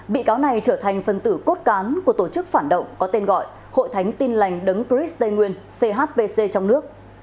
bị cáo này trở thành phần tử cốt cán của tổ chức phản động có tên gọi hội thánh tin lành đấng chris tây nguyên chpc trong nước